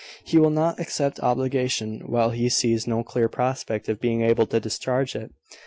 He will not accept obligation, while he sees no clear prospect of being able to discharge it.